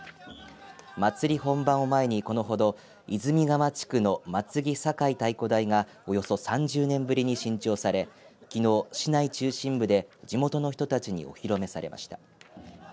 祭り本番を前にこのほど泉川地区の松木坂井太皷台がおよそ３０年ぶりに新調されきのう、市内中心部で地元の人たちにお披露目されました。